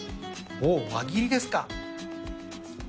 おお輪切りですか。